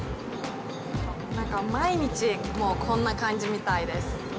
なんか、毎日こんな感じみたいです。